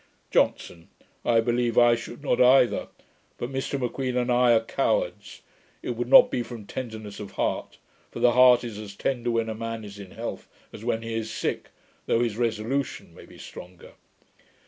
JOHNSON. 'I believe I should not either; but Mr M'Queen and I are cowards. It would not be from tenderness of heart; for the heart is as tender when a man is in health as when he is sick, though his resolution may be stronger.